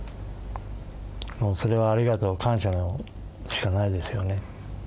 もうそれはありがとう感謝しかないですよね